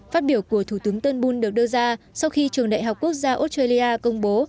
phát biểu của thủ tướng turnbul được đưa ra sau khi trường đại học quốc gia australia công bố